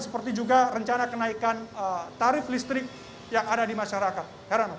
seperti juga rencana kenaikan tarif listrik yang ada di masyarakat